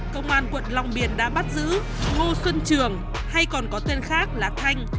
công an quận long biên đã bắt giữ ngô xuân trường hay còn có tên khác là thanh